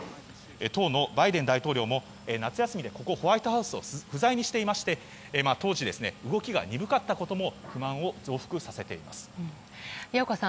当のバイデン大統領も夏休みでホワイトハウスを不在にしていまして当時動きが鈍かったことも矢岡さん